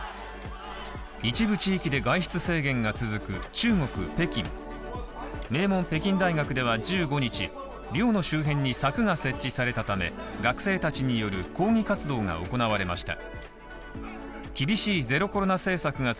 一部地域で外出制限が続く中国・北京の名門・北京大学では１５日、寮の周辺に柵が設置されたため、学生たちによる抗議活動が行われました。